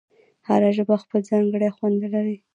هره ژبه خپل ځانګړی خوند لري.